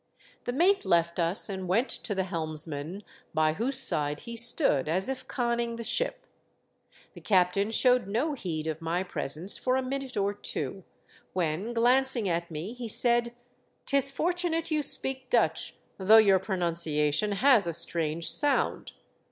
The mate left us and went to the helmsman, by whose side he stood as if conning the ship. The captain showed no heed of my presence for a minute or two ; when, glancing at me, he said, "'Tis fortunate you speak Dutch, though your pronunciation has a strange sound.